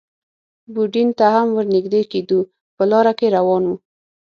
یوډین ته هم ور نږدې کېدو، په لاره کې روان و.